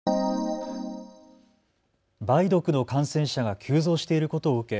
梅毒の感染者が急増していることを受け